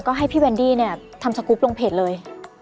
ก็ให้พี่แวนดี้ทำสกุปลงเพจเลย